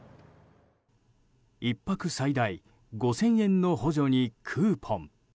１泊最大５０００円の補助にクーポン。